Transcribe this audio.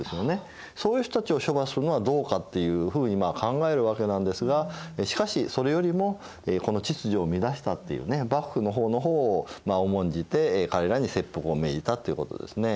そういう人たちを処罰するのはどうかというふうに考えるわけなんですがしかしそれよりもこの秩序を乱したという幕府の法の方を重んじて彼らに切腹を命じたっていうことですね。